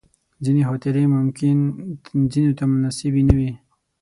ځینې خاطرې ممکن ځینو ته مناسبې نه وي.